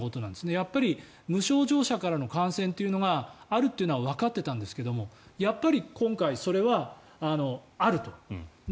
やっぱり無症状者からの感染というのがあるというのはわかっていたんですがやっぱり、今回それはあると。